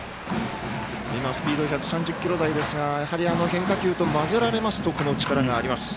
スピード１３０キロ台ですがやはり、変化球と混ぜられますとこの力があります。